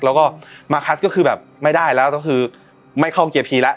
แล้วก็มาคัสก็คือแบบไม่ได้แล้วก็คือไม่เข้าเกียร์พีแล้ว